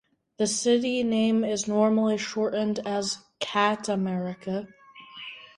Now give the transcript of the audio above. The city name is normally shortened as Catamarca.